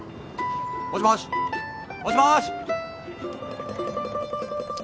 もしもしもしもし。